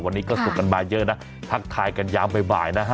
วันนี้ก็ส่งกันมาเยอะนะทักทายกันยามบ่ายนะฮะ